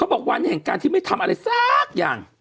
บอกวันแห่งการที่ไม่ทำอะไรสักอย่าง